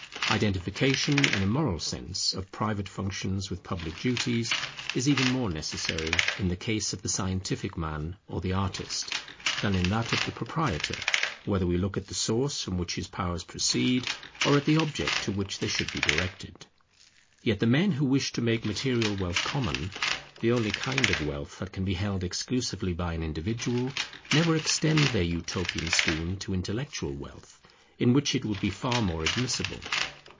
Identification, in a moral sense, of private functions with public duties is even more necessary in the case of the scientific man or the artist, than in that of the proprietor; whether we look at the source from which his powers proceed, or at the object to which they should be directed. Yet the men who wish to make material wealth common, the only kind of wealth that can be held exclusively by an individual, never extend their utopian scheme to intellectual wealth, in which it would be far more admissible.